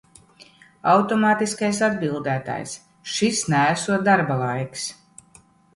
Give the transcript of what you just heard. Automātiskais atbildētājs, šis neesot darba laiks.